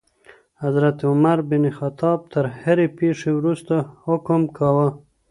حضرت عمر بن خطاب تر هرې پېښي وروسته حکم کاوه.